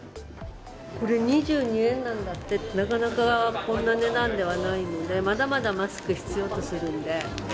これ２２円なんだって、なかなかこんな値段ではないので、まだまだマスク必要とするんで。